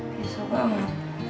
besok ga mau